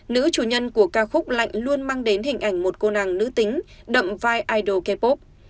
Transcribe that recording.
nữ chủ nhân của ca khúc lạnh luôn mang đến hình ảnh một cô nàng nữ tính đậm vai idol k pop